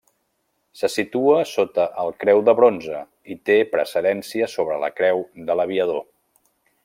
Se situa sota el Creu de Bronze i té precedència sobre la Creu de l'Aviador.